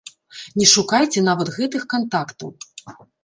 Не шукайце нават гэтых кантактаў.